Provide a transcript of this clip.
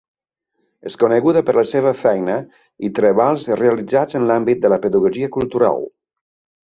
És coneguda per la seva feina i treballs realitzats en l’àmbit de la pedagogia cultural.